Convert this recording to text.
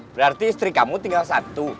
berarti istri kamu tinggal satu